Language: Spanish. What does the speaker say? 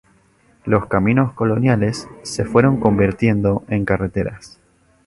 Los caminos coloniales se fueron convirtiendo en carreteras.